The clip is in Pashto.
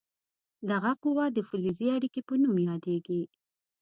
دغه قوه د فلزي اړیکې په نوم یادیږي.